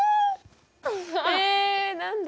え何だ？